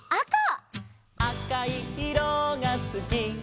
「あかいいろがすき」